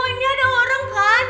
ini ada orang kan